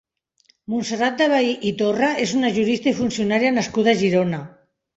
Montserrat de Vehí i Torra és una jurista i funcionària nascuda a Girona.